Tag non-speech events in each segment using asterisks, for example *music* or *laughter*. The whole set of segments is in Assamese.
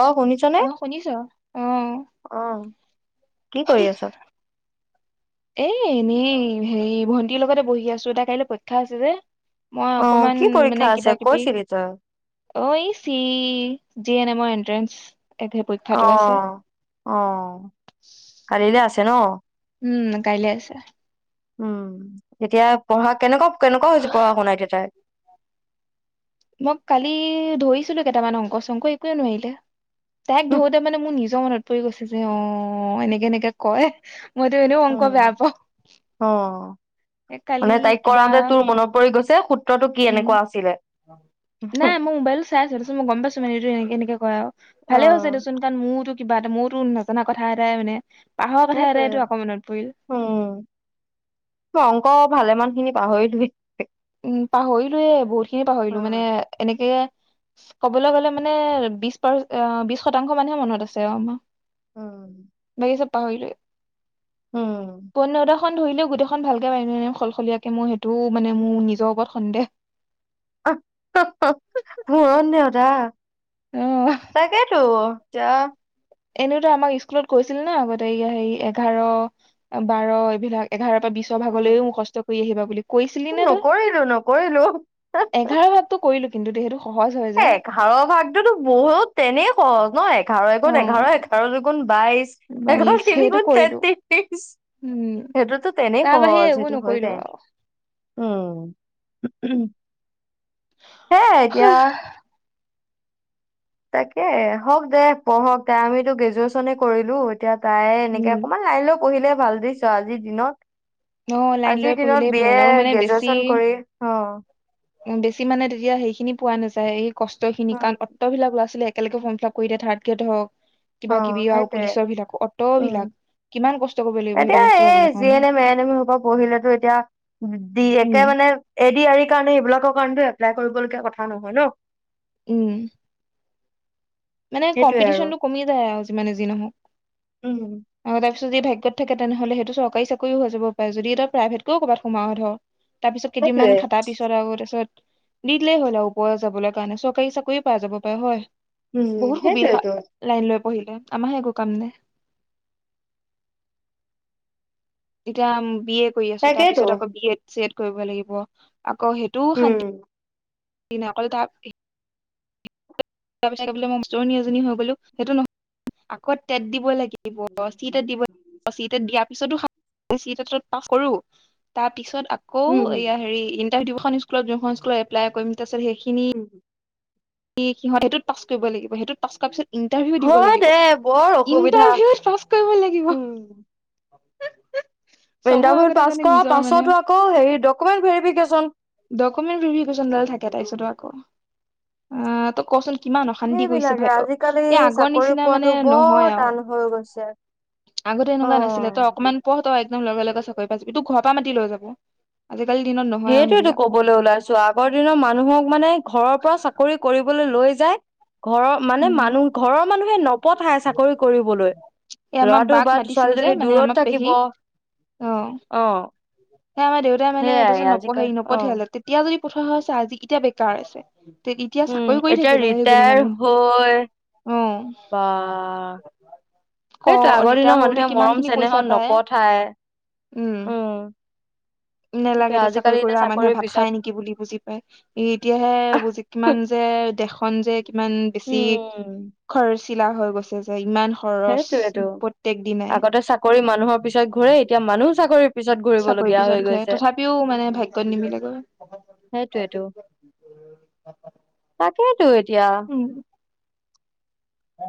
অ শুনিছনে অ শুনিছ অ'। অ কি কৰি আছ? এ এনেই হেৰি ভণ্টিৰ লগতে বহি আছো তাইৰ কাইলৈ পৰীক্ষা আছে যে। মই অ অকমান কি পৰীক্ষা মানে আছে কিবা-কিবি, কৈছিলি তই অ ই চি জি এন এমৰ এণ্ট্ৰেস। অ'হ। অ'হ। কালিলৈ আছে ন? উম কাইলে আছে। উম এতিয়া পঢ়া কেনেকুৱা কেনেকুৱা হৈছে পঢ়া শুনা এতিয়া তাইৰ। মই কালি ধৰিছিলো কেইটামান অংক -চংক একোৱে নোৱাৰিলে। তাইক ধৰোতে মানে মোৰ নিজৰ মনত পৰি গৈছে যে অ এনেকে এনেকে কয়। মইতো এনেও অংক বেয়া উম পাওঁ। অ এ কালি মানে তাইক কিবা কৰাওঁতে তোৰ মনত পৰি গৈছে সূত্ৰটো কি উম এনেকুৱা আছিলে। নাই মই মোবাইল চাই আছো তাৰপিছত মই গম পাইছো মানে ইটোচোন এনেকে এনেকে। কয় আৰু অ ভালে হৈছে দেচোন কাৰণ মোৰতো কিবা এটা মোৰতো নাজানা কথা এটাই মানে পাহৰা কথা সেইটোৱে এটাইটো আকৌ মনত পৰিল। উম অংক ভালেমানখিনি পাহৰি উম পাহৰিলোয়ে বহুত খিনি পাহৰিলো উম মানে এনেকে কবলৈ গলে মানে বিশ পাৰ অ বিশ শতাংশ মানহে মনত আছে আমাৰ। উম। ই ছপ পাহৰি যাইহ উম কনৰা *unintelligible* খন ধৰিলেও গোটেইখন ভালকে মাই সলসলীয়াকে মই সেইটো মানে মোৰ নিজৰ ওপৰত সন্দেহ পূৰণ নেওঁতা অ তাকেইেতো যা। এনেওতো আমাক স্কুলত কৈছিল ন আগতে হেৰি এঘাৰ বাৰ এইবিলাক এঘাৰ বা বিশছৰ উম ভালকৈ মুখষ্ট কৰি আহিবা বুলি কৈছিলি নে তই নকৰিলো নকৰিলো এঘাৰ ভাগতো কৰিলো। কিন্তু দেই সেইটো সহজ হয় যে এ এঘাৰৰ ভাগটোতো বহুত তেনেই সহজ ন এঘাৰ এ অ গুণ এঘাৰ এঘাৰ দু গুণ বাইশ এঘাৰ বাইশ তিনি সেইটো গুণ কৰিলো তেত্ৰিশ উম সেইটোতো তেনেই তাৰ বাহিৰে সহজ একো সেইটো হৈ নকৰিলো যায় আৰু উম। উম। সেইয়াই এতিয়া - - তাকে হওক দে পঢ়ক আমিতো গ্ৰেজুৱেচনে কৰিলো এতিয়া তাই এনেকে অকণমান লাইন লৈ পঢ়িলে ভাল। বুইছ আজিৰ ন দিনত। লাইন লৈ আজিৰ পঢ়িলেই দিনত বি ভাল আৰু এ, গ্ৰেজুৱেচন কৰি। অহ। উম বেছি মানে তেতিয়া সেইখিনি পোৱা নাযায়। এই কষ্ট খিনি, উম কাৰণ অত্তবিলাক ল'ৰা- ছোৱালী কাইলকে ফৰ্ম ফিলাপ কৰি দে থাৰ্ড গ্ৰেড হক। অ' সেইটোৱে। উম। বিলাক কিমান কষ্ট কৰিব লাগিব সেইটো এতিয়া বস্তু এই পাবলৈ যি কাৰণে এন এম, অ এন এম পহিলে তো এতিয়া - - দি একে উম মানে এ ডি আৰি কাৰণে এইবিলাকৰ কাৰণটো এপ্লাই কৰিবলগীয়া কথা নহয় ন। উম মানে সেইটোয়ে কম্পিটিশ্যন আৰু টো কমিয়ে যায় আৰু যিমানে যি নহওক উম। অ যদি ভাগ্যত থাকে তেনেহলে সেইটো চৰকাৰী চাকৰিও হৈ যাব পাৰে যদি এটা প্ৰাইভেটকও'বাত সমুৱাক ধৰ তাৰ পিছত কেইদিনমান সেইটোয়ে খাটাৰ পিছত আৰু তাৰপিছত দি দিলেই হ'ল আৰু ওপৰ যাবলৈ কাৰণে চৰকাৰী চাকৰি পাই যাব পাৰে হয়। উম বহুত সুবিধা সেইটোয়েতো লাইন লৈ পৰিলে আমাৰ হে একো কাম নাই। এতিয়া বি এ কৰি আছো তাকেইতো তাৰপিছত আকৌ বি এড চি এড কৰিব লাগিব। আকৌ সেইটোও উম। শান্তি দিন অকল তাৰ তাৰ পিছত বোলে মই মাষ্টৰনী এজনী হৈ গলো, সেইটো নহয়। আকৌ তেট দিব লাগে। দিব চিট দিব চিট দিয়াৰ পিছতো *unintelligible* পিছত পাছ কৰো। তাৰ পিছত আকৌ উম এইয়া হেৰি ইন তাৰ দুখন স্কুলত যোনখন স্কুলত এপ্লাই কৰিম, তাৰপাছত সেইখিনি উম সি সিহঁত সেইটোত পাছ কৰিব লাগিব। সেইটোত পাছ কৰা পিছত ইণ্টাৰভিউ দিব হয় দে লাগিব। বৰ অসুবিধা ইণ্টাৰভিউত পাছ কৰিব লাগিব। চবৰ ইন্টাৰভিউ আগতে পাছ মানে কৰা নিজৰ মানে পাছতো আকৌ হেৰি ডকুমেণ্ট ভেৰিফিকেচন। ডকুমেণ্ট ভেৰিফিকেচন ডাল থাকে তাৰপিছত আকৌ। আ ত কচোন কিমান অশান্তি কৰিছে সেইবিলাকে ভাই' আজিকালি এই আগৰ চাকৰি নিচিনা মানে পোৱাতো বৰ নহয় আও। টান হৈ গৈছে। আগতে এনেকুৱা নাছিলে, অ'। তই অকমান পঢ় তই একদম লগে লগে চাকৰি পাই যাবি তোৰ ঘৰ পৰা মাতি লৈ যাব। আজিকালি দিনত নহয় আৰু সেইটোৱেটো সেইবিলাক কবলৈ ওলাইছো আগৰ দিনৰ মানুহক মানে ঘৰৰ পৰা চাকৰি কৰি কবলৈ লৈ যায় ঘৰৰ মানে উম মানুহ ঘৰৰ মানুহে নপঠায় চাকৰি কৰিবলৈ। এই আমাৰ ল'ৰাটো বাক বা মাতিছিলো যে ছোৱালীজনী মানে দূৰত আমাৰ থাকিব পেহীক, অ অ। সেই আমাৰ দেউতাৰ মানে সেইয়াই তাপাছত আজিকালি হেৰি অ নপঠিয়ালে। তেতিয়া যদি পঠোৱা হৈছে আজি এতিয়া বেকাৰ আছে। তে এতিয়া উম, চাকৰি কৰি এতিয়া থাকিলে হয় সেইজনী ৰিটায়াৰ মানুহ হল *unintelligible* হয় অ বা। ক সেইটোৱে আগৰ ৰিটায়াৰ দিনৰ হওঁতে মানুহে কিমান মৰম খিনি পইচা চেনেহত পায় নপঠায়। উম। সেইটোৱে নেলাগে দে আজিকালি চাকৰি কৰি এতিয়া মানুহে চাকৰিৰ ভাত খায় পিছত নেকি বুলি বুজি পায়, এতিয়াহে বুজি কিমান যে দেখন যে কিমান বেছি উম খৰচিলা হৈ গৈছে যে ইমান খৰচ সেইটোৱেতো প্ৰত্যেক দিনাই আগতে চাকৰি মানুহৰ পিছত ঘূৰে এতিয়া মানুহ চাকৰিৰ পিছত চাকৰি ঘূৰিবলগীয়া হৈ পিছত ঘূৰে, গৈছে তথাপিও মানে ভাগ্যত নিমিলেগৈ। সেইটোৱে টো। *unintelligible* টো এতিয়া উম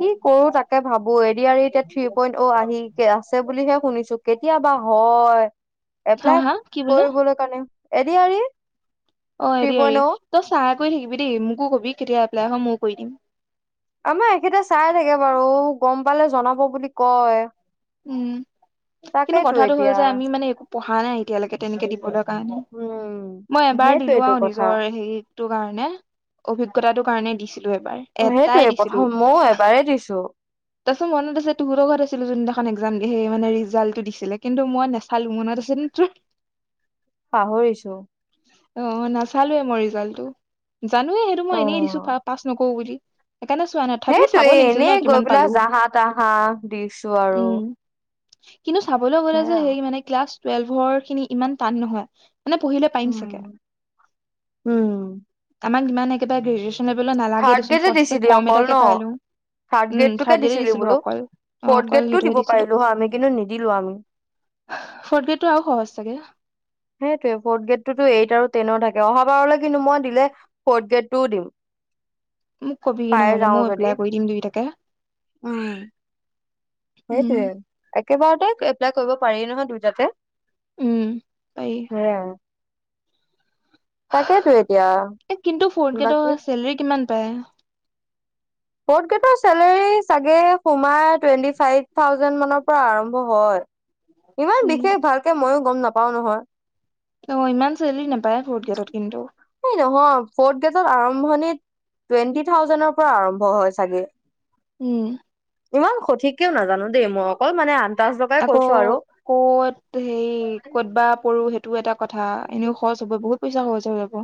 কি কৰোঁ তাকে ভাবোঁ। এ ডি আৰ ই তে থ্ৰী পইন্ট অ আহি কে আছে বুলিহে শুনিছোঁ। কেতিয়াবা হয়। হা এপ্লাই হা কি বোলে কৰিবলৈ কাৰণে, এ ডি আৰ ই অ এ ডি আৰ ই। তই চাই কৰি থাকিবি দেই মোকো কবি কেতিয়া এপ্লাই হয়, ময়ো কৰি দিম। আমাৰ এখেতে চাই থাকে বাৰু গম পালে জনাব বুলি কয়। উম, কিন্তু তাকেইতো কথাটো হ'ল এতিয়া যে আমি মানে একো পঢ়া নাই এতিয়ালৈকে তেনেকে দিবলৈ। কাৰনে। উম মই এবাৰ দিলোঁ সেইটোয়েইটো আৰু কথা নিজৰ হেৰিটো কাৰণে, অভিজ্ঞতাটো কাৰণে। দিছিলো এবাৰ উম এটাই সেইটোৱে দিছিলো প্ৰথম ময়ো এবাৰেই দিছোঁ। তাৰপিছত মনত আছে তহঁতৰ ঘৰত আছিলোঁ যোনদিনাখন একজাম দেহে মানে ৰিজাল্টটো দিছিলে, কিন্তু মই নাচালোঁ মনত আছিল। *unintelligible* পাহৰিছোঁ। অ নাচালোৱে মই ৰিজাল্টটো, জানোৱে সেইটো মই এনেই দিছোঁ পা পাছ নকৰোঁ বুলি। সেইকাৰণে চোৱা নাই তথাপিও চাব সেইটোৱে লাগিছিল ন এনেই গৈ কিমান পালো পেলাই জাহা তাহা দিছোঁ আৰু। উম কিন্তু চাবলৈ গ'লে যে সেয়া সেই মানে ক্লাছ টুৱেল্ভৰখিনি ইমান টান নহয়। মানে পঢ়িলে পাৰিম উম ছাগে, উম আমাক ইমান এইকেইটা গ্ৰেজ এনে বোলে নালাগে থাৰ্ড দেচোন, গ্ৰেডে ফাৰ্ষ্টত দিছিলি কম অকল এটাকে ন পাই লওঁ। থাৰ্ড উম গ্ৰেডটোকে থাৰ্ড গ্ৰেডে দিছিলি দিছিলোঁ বোলো অকল, অ ফৰ্থ অকল গ্ৰেডটো সেইটোৱে দিব দিছিলোঁ। পাৰিলো হয় আমি কিন্তু নিদিলো আমি ফৰ্থ গ্ৰেডটো আৰু সহজ ছাগে। সেইটোৱে ফৰ্থ গ্ৰেডটোটো এইত আৰু টেনৰ থাকে। এ অহা বাৰলৈ কিন্তু মই দিলে ফৰ্থ গ্ৰেডটোও দিম। মোক কবিগে পাই নহ'লে যাওঁ ময়ো যদি এপ্লাই কৰি দিম দুইটাকে। উম উম সেইটোৱে, একেবাৰতে এপ্লাই কৰিব পাৰি নহয় দুইটাতে। উম পাৰি সেই আৰু। এতিয়া এ কিন্তু ফৰ্থ বাকী গ্ৰেডৰ চেলেৰী কিমান পায়? ফৰ্থ গেডৰ চেলেৰী চাগে সোমাই টুৱেণ্টি ফাইভ থাউজেণ্ড মানৰ পৰা আৰম্ভ হয়। ইমান উম বিশেষ ভালকে মইয়ো গম নাপাওঁ নহয়। অ ইমান চেলেৰী নাপায় ফৰ্থ গ্ৰেডত কিন্তু। এই নহয় ফৰ্থ গ্ৰেডত আৰম্ভণিত, টুৱেন্টি থাউজেডৰ পৰা আৰম্ভ হয় চাগে। উম। ইমান সঠিককেও নাজানোঁ দেই মই অকল মানে আন আকৌ ক'ত, হেৰি ক'ত বা পৰো সেইটো এটা কথা, এনেও খৰচ হ'ব বহুত পইচা খৰচ হৈ যাব।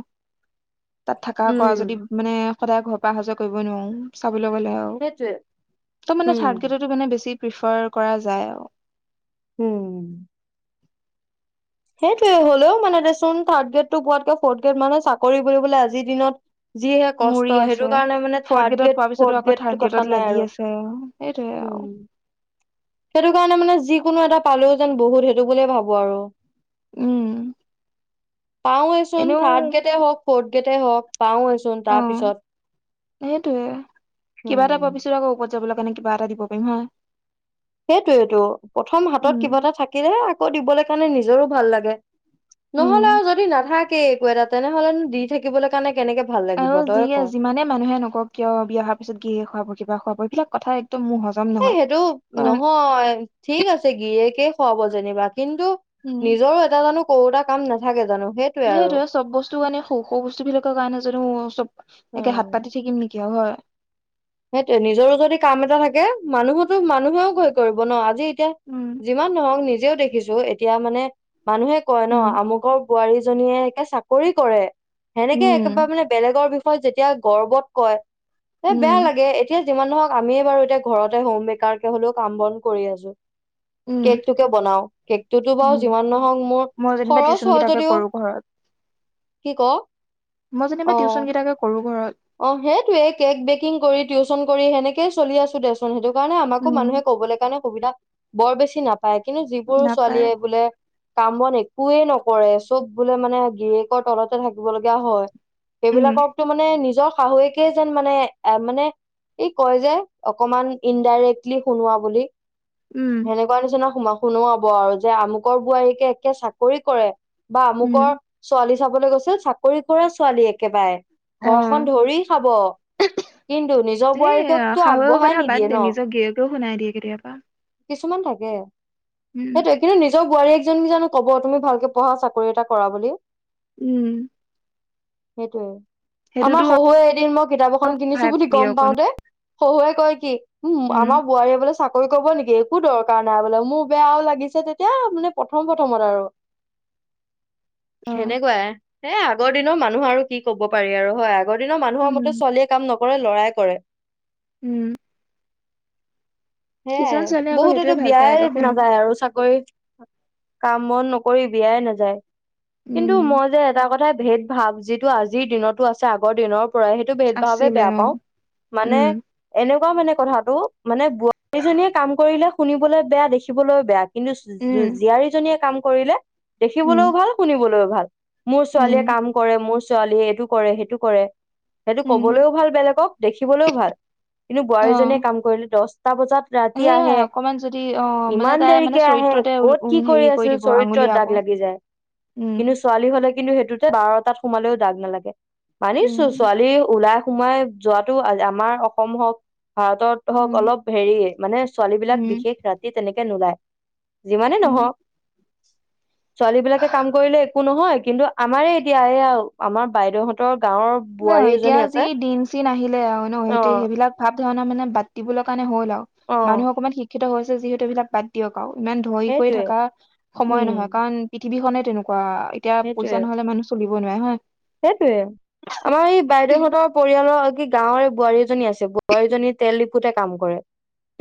তাত থকা খোৱা উম যদি মানে সদায় ঘৰ পৰা অহা যোৱা কৰিব নোৱাৰো চাবলৈ গ'লে আৰু, সেইটোৱে ত মানে উম থাৰ্ড গ্ৰেডতো মানে বেছি প্ৰিফাৰ কৰা যায় আৰু। হম। সেইটোৱে, হ'লেও মানে দেচোন থাৰ্ড গ্ৰেডটো পোৱাতকে ফৰ্থ গ্ৰেড মানহ চাকৰি বুলিবলে আজিৰ দিনত যিহে মৰি কষ্ট আছে। সেইটো কাৰণে মানে ফৰ্থ থাৰ্ড গ্ৰেডত গ্ৰেড, পোৱাৰ পিছতো ফৰ্থ আকৌ থাৰ্ড গ্ৰেডটো গ্ৰেডত কথা নাই লাগি আৰু। আছে সেইটোৱে আৰু হম। সেইটো কাৰণে মানে যিকোনো এটা পালেও যেন বহুত সেইটো বুলিয়ে ভাবোঁ আৰু। উম। পাওয়ে চোন এনেও থাৰ্ড গ্ৰেডে হওঁক, ফৰ্থ গ্ৰেডে হওঁক। অ সেইটোৱে, কিবা এটা পোৱা উম পিছত আকৌ উপ যাবলৈ কাৰণে কিবা এটা দিব পাৰিম হয়। সেইটোয়েইটো, প্ৰথম হাতত উম কিবা এটা থাকিলে আকৌ দিবলৈ কাৰণে নিজৰো ভাল লাগে। উম। নহ'লে আৰু যদি নাথাকে একো এটা তেনেহ'লেনো দি থাকিবলৈ কাৰণে কেনেকে ভাল আৰু লাগিব তই ক যিয়ে যিমানে মানুহে নকক কিয় বিয়া হাৰ পিছত গিৰিয়েহে খোৱাব কিবা খোৱাব এইবিলাক কথা একদম মোৰ হজম এ নহয়। সেইটো কাৰণ নহয় ঠিক আছে গিৰিয়েকে খুৱাব যেনিবা কিন্তু উম নিজৰো এটা জানো কৰোটা কাম নাথাকে জানো। সেইটোৱে দেই আৰু তে চব বস্তু কাৰণে সৰু সৰু বস্তু বিলাকৰ কাৰণে যদিও চব একে হাত পাতি থাকিম নেকি। নহয়। সেইটোয়ে নিজৰো যদি কাম এটা থাকে মানুহতো মানুহেও ভয় কৰিব ন আজি এতিয়া উম যিমান নহক নিজেও দেখিছো এতিয়া মানে মানুহে কয় ন উম আমুকৰ বোৱাৰীজনীয়ে সে চাকৰি কৰে সেনেকে উম একেবাৰে মানে বেলেগৰ বি বিষয়ে যেতিয়া গৰ্বত কয় এ বেয়া উম লাগে এতিয়া যিমান নহওক আমিয়ে বাৰু এতিয়া ঘৰতে হোম মেকাৰ কে হলেও কাম বন কৰি আছো। উম। কেকটোকে বনাও কেকটোতো বাৰু উম যিমান নহক মোৰ মই যেনিবা খৰচ টিউচন হয় কেইটাকে যদিও কৰো ঘৰত। কি ক? মই যেনিবা অ টিউশচন কেইটাকে কৰো ঘৰত। অ সেইটোৱে কেক বেকিং কৰি টিউচন কৰি সেনেকে চলি আছো দেচোন সেইটো। সেইকাৰণে আমাকো উম মানুহে কবলৈ কাৰণে সুবিধা বৰ বেছি নাপায়। কিন্তু যিবোৰ নাপায় ছোৱালীয়ে বোলে কাম বন একোৱেই নকৰে। চব বোলে মানে, গিৰিয়েকৰ তলতে থাকিব লগীয়া হয়। উম সেইবিলাককটো মানে নিজৰ শাহুৱেকেই যেন মানে, এ মানে ই কয় যে, অকমান ইনডাইৰেক্টলি শুনোৱা বুলি। উম সেনেকুৱা নিচিনা সুমা শুনোৱাব আৰু যে, আমুকৰ বোৱাৰীকে একে চাকৰি কৰে। বা উম আমুকৰ ছোৱালী চাবলৈ গৈছিল, চাকৰি কৰা ছোৱালী একেবাৰে। অ'। ঘৰখন ধৰি খাব। কিন্তু, নিজৰ এই বোৱাৰীককটো শাহুৱেকৰ আগবঢ়াই কথা বাদ নিদিয়ে দে ন! নিজৰ গিৰিয়েকেও শুনাই দিয়ে কেতিয়াবা কিছুমান থাকে, উম সেইটোৱেই কিন্তু নি বোৱাৰীয়েক জনী জানো ক'ব, তুমি ভালকে পঢ়া, চাকৰি এটা কৰা বুলি। উম। সেইটোৱেই। সেইটোতো আমাৰ শহুৱে এদিন মই কিতাপ এখন কিনিছো সহায় বুলি কৰি গম অকনো পাওতে শহুৱে কয় কি! উ, উম আমাৰ বোৱাৰীয়ে বোলে চাক কৰিৰ পকব নেকি একো দৰকাৰ নাই বোলে মোৰ বেয়াও লাগিছে তেতিয়া মানে প্ৰথম প্ৰথমত আৰু *inaudible* অ সেনেকুৱাই। এ, আগৰ দিনৰ মানুহ আৰু কি ক'ব পাৰি আৰু হয়। আগৰ দিনৰ মানুহৰ মতে উম ছোৱালীয়ে কাম নকৰে, ল'ৰাই কৰে। উম। সেয়াই কিছুমান ছোৱালীয়ে আকৌ বহুতেতো সেইটোৱে ভাল পায় বিয়াই আকৌ শুনি নাযায় আৰু চাকৰি কাম-বন নকৰি বিয়াই নাযায়। কিন্তু উম মই যে এটা কথাই ভেদ ভাৱ, যিটো আজিৰ দিনতো আছে, আগৰ দিনৰ পৰাই। সেইটো ভেদ ভাৱেই আছিলে বেয়া অ পাওঁ। মানে উম এনো কোৱা মানে কথাটো, মানে বোৱাৰীজনীয়ে কাম কৰিলে শুনিবলৈ বেয়া, দেখিবলৈও বেয়া। কিন্তু উম জো-জী-জীয়াৰীজনীয়ে কাম কৰিলে দেখিবলৈও উম ভাল, শুনিবলৈও ভাল। মোৰ উম ছোৱালীয়ে কাম কৰে, মোৰ ছোৱালীয়ে এইটো কৰে, সেইটো কৰে। সেইটো উম ক'বলৈও ভাল বেলেগক, দেখিবলৈও ভাল। কিন্তু অ বোৱাৰীজনীয়ে কাম কৰিলে দছ টা বজাত ৰাতি আহে, সেয়াই অকমান যদি অ মানে ইমান তাই মানে দেৰিকে আহে। চৰিত্ৰতে উল- ক'ত উম, কি হেৰি কৰি আছিল? দিব চৰিত্ৰ আঙুলিয়াব দাগ লাগি যায়, উম কিন্তু ছোৱালী হ'লে কিন্তু দুটা বাৰটাত সোমালেও দাগ নালাগে, উম মানিছো ছোৱালী ওলাই সোমাই যোৱাটো আল আমাৰ অসম হওঁক ভাৰতত হওঁক, উম অলপ হেৰি, মানে ছোৱালীবিলাক উম বিশেষ ৰাতি তেনেকে নোলায়। যিমানেই উম নহওঁক। ছোৱালী বিলাকে কাম কৰিলে একো নহয় কিন্তু আমাৰে এতিয়া এইয়া আমাৰ বাইদেউহত ন, এতিয়া যি দিন-চিন আহিলে আৰু ন অ সেইটো সেইবিলাক ভাৱ-ধৰণা মানে বাদ দিবলৈ কাৰণে হ অ মানুহে অকনমান শিক্ষিত হৈছে যিহেতু এইবিলাক বাদ দিয়ক। ইমান ধৰি কৰি সেইটোৱে থকা উম সময় নহয় কাৰণ পৃথিৱীখনে তেনেকুৱা এতিয়া পইচা নহলে মানুহ চলিব নোৱাৰে হৈনে। সেইটোয়ে আমাৰ এই বাইদেউহতৰ পৰিয়ালৰ কি গাৱৰে বোৱাৰী এজনী আছে বোৱাৰীজনী তেল ডিপোতে কাম কৰে।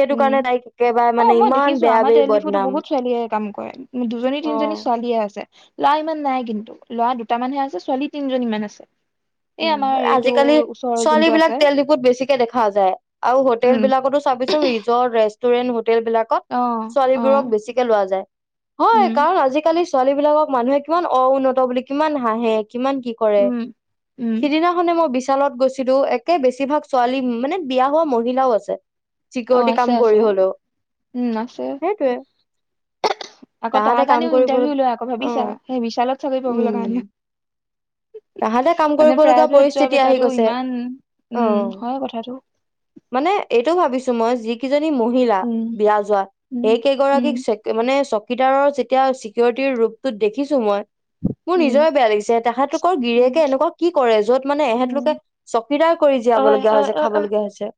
সেইটো উম, কাৰণে তাইক একেবাৰে অ, মানে মই ইমান দেখিছো বেয়া আমাৰ বেয়ি তেল ডিপোতে বদনাম বহুত ছোৱালীয়ে কাম কৰে দুজনী তিনিজনী অ', ছোৱালীয়ে আছে, ল'ৰা ইমান নাই কিন্তু ল'ৰা দুটামানহে আছে ছোৱালী তিনজনীমান আছে। এই উম, আমাৰ এইটো আজিকালি ওচৰৰ ছোৱালী যোনটো আছে বিলাক তেল ডিপত বেছিকে দেখা যায় আৰু হোটেল উম বিলাকতো ৰিজৰ্ট ৰেষ্টুৰেণ্ট বিলাকত অ অ ছোৱালীবোৰক বেছিকৈ লোৱা জাই উম হৈ কাৰণ আজি কালিৰ ছোৱালী বিলাকক মানুহে কিমান অ, উন্নত বুলি কিমান হাহে কিমান কি কৰে। উম, উম, সিদিনাখনে, মই বিশালত গৈছিলো একে বেছিভাগ ছোৱালী মানে বিয়া হোৱা মহিলাও আছে। অ', চিকিউৰিটি আছে কাম আছে। কৰি হলেও উম, আছে। সেইটোৱে। আকৌ তাৰ কাৰণেও ইণ্টাৰভিউ লয় আকৌ ভাবিছা, অ', সেই বিশালত চাকৰি পাব লগা কাৰণে তাহ যে কাম, মানে কৰিবলগীয়া প্ৰাইভেট জব পৰিস্থিতি আহি এটাতো গৈছে ইমান অ, উম, হয় কথাটো। মানে এইটো ভাবিছো মই যি কেইজনী মহিলা উম, বিয়া যোৱা উম, সেই উম, কেইগৰাকীক মানে কিটাৰৰ যেতিয়া চিকিউৰিটিৰ ৰূপটোত দেখিছো মই মোৰ উম, নিজৰে বেয়া লাগিছে তেখেতাতোক গিৰিয়েকে উম, এনেকুৱা কি কৰে যত মানে ইহঁত লোকে উম। চকীদাৰ কৰি ঐ জীয়াব লগীয়া ঐ হৈছে, ঐ খাব ঐ লগীয়া হৈছে।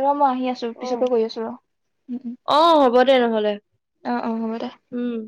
ৰ মই আহি আছো পিছকে গৈ কৰি আছো ৰ উ অ হ'ব দে নহ'লে। অ- অ হব দে। উম।